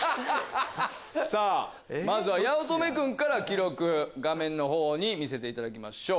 さぁまずは八乙女君から記録を画面のほうに見せていただきましょう。